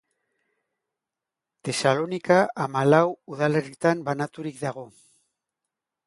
Tesalonika hamalau udalerritan banaturik dago.